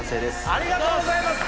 ありがとうございます！